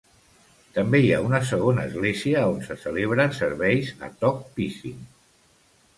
També hi ha una segona església on se celebren serveis a Tok Pisin.